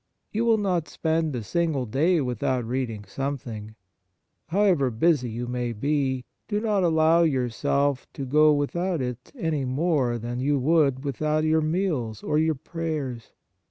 You will not spend a single day without reading something ; however busy you may be, do not allow your self to go without it any more than you would go without your meals or your prayers.